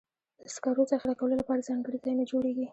د سکرو ذخیره کولو لپاره ځانګړي ځایونه جوړېږي.